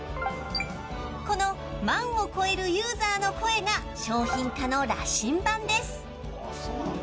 この万を超えるユーザーの声が商品化の羅針盤です。